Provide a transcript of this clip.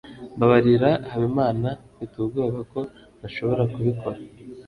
Mbabarira, Habimana. Mfite ubwoba ko ntashobora kubikora.